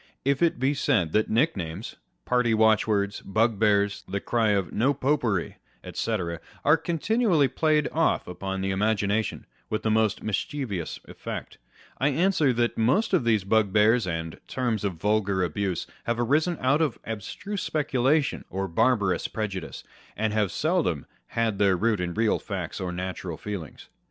If it be said that nicknames, party watchwords, bugbears, the cry of " No Popery," &c, are continually played off upon the imagination writh the most mischievous effect, I answer that most of these bugbears and terms of vulgar abuse have arisen out of abstruse speculation or barbarous pre judice, and have seldom had their root in real facts or natural feelings.